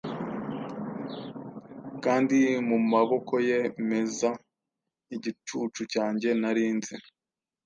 Kandi mumaboko ye meza Igicucu cyanjye nari nzi,